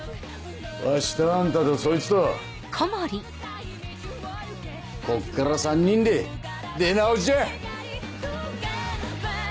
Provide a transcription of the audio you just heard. わしとあんたとそいつとこっから３人で出直しじゃ！